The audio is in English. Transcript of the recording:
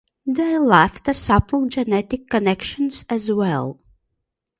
They left a subtle genetic connection as well.